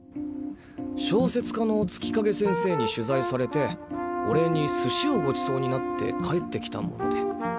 小説家の月影先生に取材されてお礼に寿司をごちそうになって帰って来たもので。